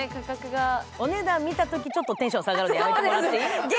お値段見たとき、テンション下がるのやめてくれていい？